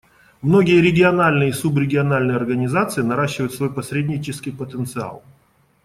Многие региональные и субрегиональные организации наращивают свой посреднический потенциал.